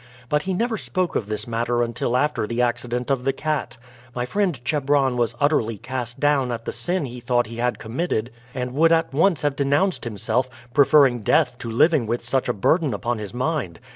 But he never spoke of this matter until after the accident of the cat. My friend Chebron was utterly cast down at the sin that he thought he had committed, and would at once have denounced himself, preferring death to living with such a burden upon his mind.